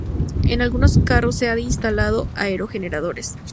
En algunos cerros se han instalado aerogeneradores.